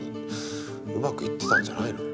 うまくいってたんじゃないの？